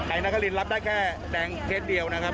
ไทยนักษรินรับได้แค่แดงเท็จเดียวนะครับ